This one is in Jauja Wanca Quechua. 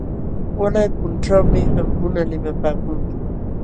Walay punchawmi qamkuna limapaakunki.